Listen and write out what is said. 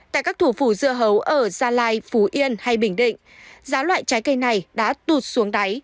tại các thủ phủ dưa hấu ở gia lai phú yên hay bình định giá loại trái cây này đã tụt xuống đáy